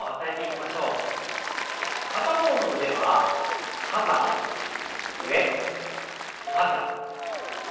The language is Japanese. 片方の腕は肩上肩下。